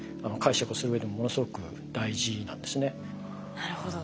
なるほど。